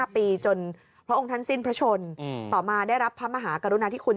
๕ปีจนพระองค์ท่านสิ้นพระชนต่อมาได้รับพระมหากรุณาธิคุณ